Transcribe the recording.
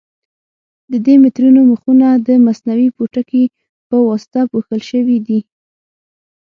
د دې مترونو مخونه د مصنوعي پوټکي په واسطه پوښل شوي دي.